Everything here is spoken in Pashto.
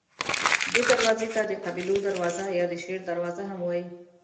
دې دروازې ته د قبیلو دروازه یا د شیر دروازه هم وایي.